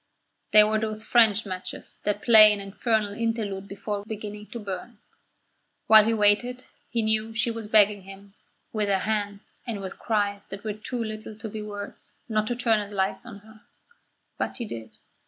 They were those French matches that play an infernal interlude before beginning to burn. While he waited he knew that she was begging him, with her hands and with cries that were too little to be words, not to turn its light on her. But he did.